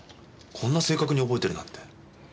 こんな正確に覚えてるなんて。